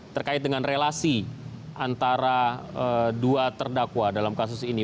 terkait dengan relasi antara dua terdakwa dalam kasus ini